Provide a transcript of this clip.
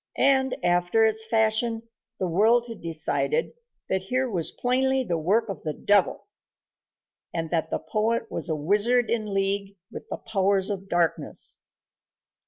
And, after its fashion, the world had decided that here was plainly the work of the devil, and that the poet was a wizard in league with the powers of darkness.